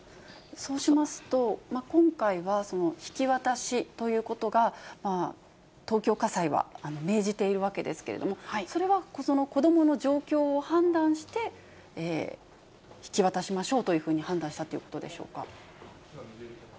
そうしますと、今回は、引き渡しということが、東京家裁は命じているわけですけれども、それは子どもの状況を判断して、引き渡しましょうということで判断したということでしょうか？